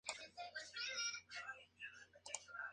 Miranda ya no es aquella chica que Diego había conocido.